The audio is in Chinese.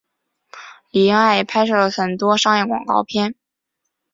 李英爱也拍摄了很多商业广告片。